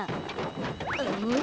うん？